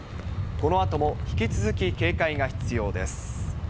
このあとも引き続き警戒が必要です。